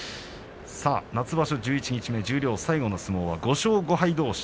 夏場所十一日目十両最後の相撲は５勝５敗どうし。